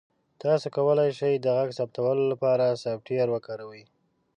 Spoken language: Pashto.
تاسو کولی شئ د غږ ثبتولو لپاره سافټویر وکاروئ.